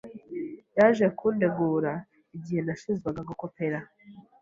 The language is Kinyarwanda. Yaje kundegura igihe nashinjwaga gukopera.